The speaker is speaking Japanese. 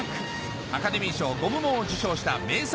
アカデミー賞５部門を受賞した名作